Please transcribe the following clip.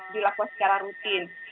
dilakukan secara rutin